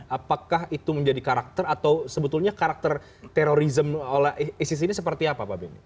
apakah itu menjadi karakter atau sebetulnya karakter terorisme oleh isis ini seperti apa pak benny